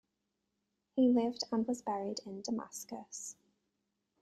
He lived and was buried in Damascus.